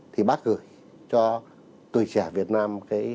thì bác gửi cho tuổi trẻ việt nam